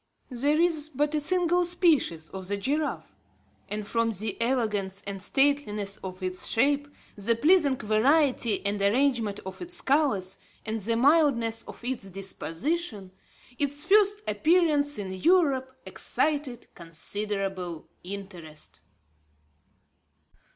There is but a single species of the giraffe, and from the elegance and stateliness of its shape, the pleasing variety and arrangement of its colours, and the mildness of its disposition, its first appearance in Europe excited considerable interest.